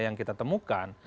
yang kita temukan